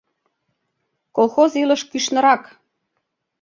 Колхоз илыш кӱшнырак...